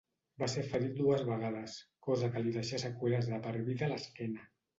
Va ser ferit dues vegades, cosa que li deixà seqüeles de per vida a l'esquena.